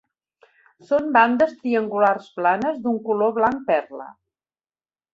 Són bandes triangulars planes d'un color blanc perla.